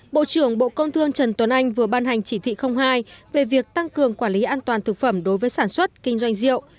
bộ trưởng bộ công thương trần tuấn anh vừa ban hành chỉ thị hai về việc tăng cường quản lý an toàn thực phẩm đối với sản xuất kinh doanh rượu